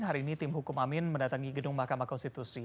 hari ini tim hukum amin mendatangi gedung mahkamah konstitusi